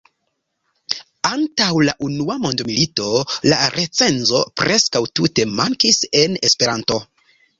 Antaŭ la unua mondmilito la recenzo preskaŭ tute mankis en Esperanto.